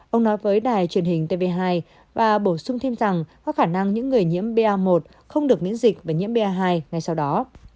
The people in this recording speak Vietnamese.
ông nói với đài truyền hình tv hai và bổ sung thêm rằng có khả năng những người nhiễm ba một không được miễn dịch và nhiễm ba hai ngay sau đó